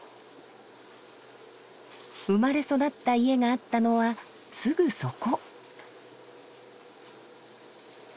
生まれ育った家があったのはすぐそこ。